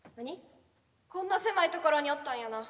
こんな狭いところにおったんやな。